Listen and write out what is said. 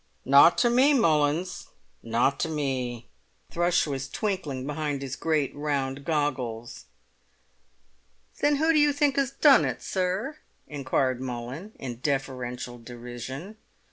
"Not to me, Mullins—not to me." Thrush was twinkling behind his great round goggles. "Then who do you think has done it, sir?" inquired Mullins, in deferential derision.